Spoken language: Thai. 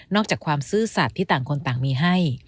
อกจากความซื่อสัตว์ที่ต่างคนต่างมีให้